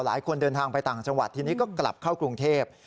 หลายคนเดินทางไปต่างจังหวัดทีนี้ก็กลับเข้ากรุงเทพ